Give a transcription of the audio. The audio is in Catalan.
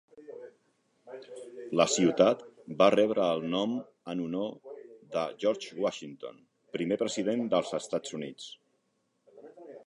La ciutat va rebre el nom en honor de George Washington, primer president dels Estats Units.